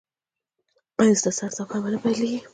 ایا ستاسو سفر به نه پیلیږي؟